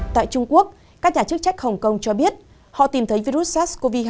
tại trung quốc các nhà chức trách hồng kông cho biết họ tìm thấy virus sars cov hai